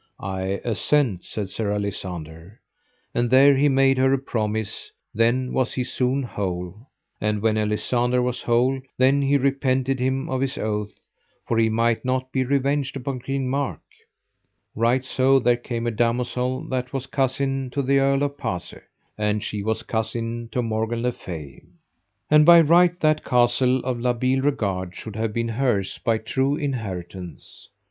I assent, said Sir Alisander. And there he made her a promise: then was he soon whole. And when Alisander was whole, then he repented him of his oath, for he might not be revenged upon King Mark. Right so there came a damosel that was cousin to the Earl of Pase, and she was cousin to Morgan le Fay. And by right that castle of La Beale Regard should have been hers by true inheritance.